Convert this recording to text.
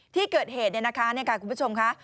ที่เกิดเหตุคุณผู้ชมค่ะ